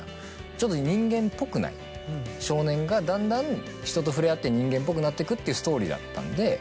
ちょっと人間っぽくない少年がだんだん人と触れ合って人間っぽくなってくっていうストーリーだったんで。